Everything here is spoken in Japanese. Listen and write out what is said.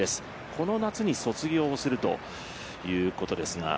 この夏に卒業するということですが。